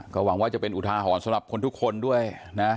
ก็หวังว่าจะเป็นอุทาหรณ์สำหรับคนทุกคนด้วยนะ